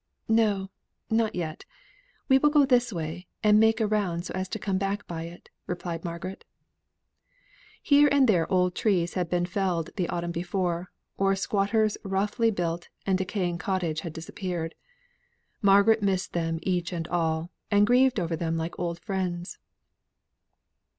"No, not yet. We will go this way, and make a round so as to come back by it," said Margaret. Here and there old trees had been felled the autumn before; or a squatter's cottage roughly built and decaying cottage had disappeared. Margaret missed them each and all, and grieved over them like old friends.